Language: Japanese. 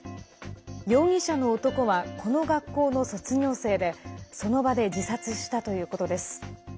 容疑者の男はこの学校の卒業生でその場で自殺したということです。